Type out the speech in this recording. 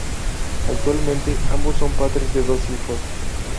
Actualmente ambos son padres de dos hijos.